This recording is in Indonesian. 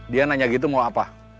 dia nanya gitu mau apa